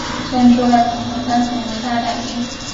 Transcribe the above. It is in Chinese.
建筑二层和三层为大展厅。